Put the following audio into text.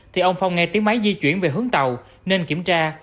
thì ông phong nghe tiếng máy di chuyển về hướng tàu nên kiểm tra